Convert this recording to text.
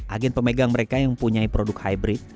agen pemegang mereka yang punya produk hybrid